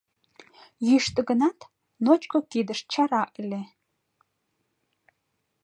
Йӱштӧ гынат, ночко кидышт чара ыле.